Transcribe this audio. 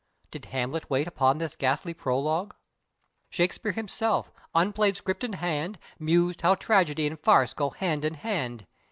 Did Hamlet wait upon this ghastly prologue? Shakespeare himself, unplayed script in hand, mused how tragedy and farce go hand in hand.